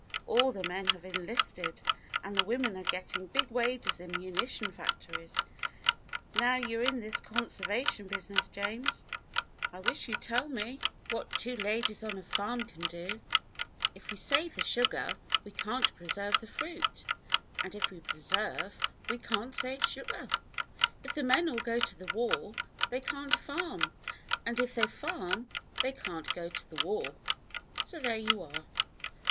All the men have enlisted, and the women are getting big wages in munition factories. Now you are in this conservation business, James, I wish you'd tell me 70 THE BLUE AUNT what two old ladies on a farm can do. If we save the sugar, we can't preserve the fruit, and if we preserve, we can't save sugar. If the men all go to the war, they can't farm, and if they farm, they can't go to the war. So there you are.